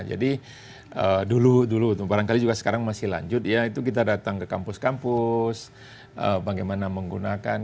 jadi dulu dulu barangkali juga sekarang masih lanjut ya itu kita datang ke kampus kampus bagaimana menggunakan